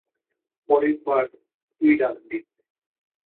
পরের বার, তুই রাঁধবি।